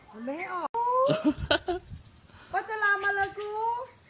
มันไม่ให้ออกมาเลยกู